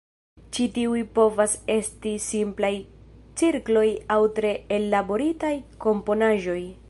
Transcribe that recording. Ĉi tiuj povas esti simplaj cirkloj aŭ tre ellaboritaj komponaĵoj.